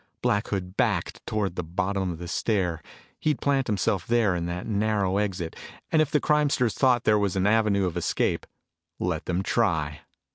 Black Hood backed toward the bottom of the stair. He'd plant himself there in that narrow exit, and if the crimesters thought there was an avenue of escape, let them try.